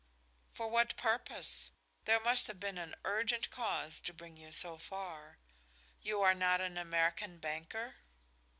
"For what purpose? There must have been an urgent cause to bring you so far. You are not an American banker?"